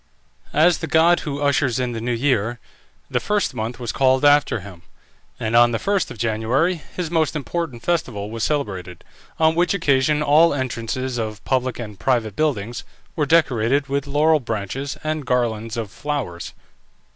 As the god who ushers in the new year, the first month was called after him, and on the 1st of January his most important festival was celebrated, on which occasion all entrances of public and private buildings were decorated with laurel branches and garlands of flowers.